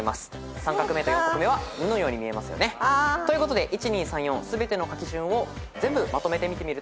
３画目と４画目は「ヌ」のように見えますよね。ということで１２３４全ての書き順を全部まとめて見てみると漢字の「友」が出来上がります。